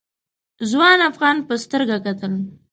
ځوان افغان په سترګه کتل.